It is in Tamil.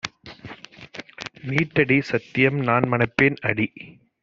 நீட்டடி! சத்தியம்! நான்மணப்பேன்! - அடி